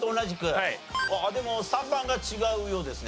でも３番が違うようですね。